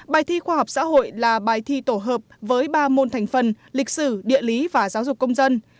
bài thi khoa học xã hội là bài thi tổ hợp với ba môn thành phần lịch sử địa lý và giáo dục công dân